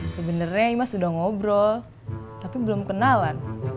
sebenernya imas udah ngobrol tapi belum kenalan